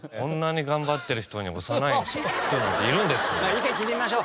意見聞いてみましょう。